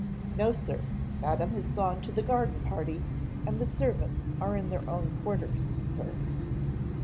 "No sir. Madam has gone to the garden party, and the servants are in their own quarters, sir."